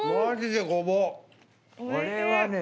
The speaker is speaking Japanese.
これはね